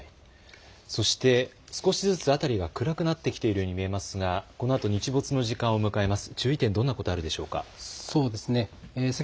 そして少しずつ辺りが暗くなってきているように見えますがこのあと日没の時間を迎えます。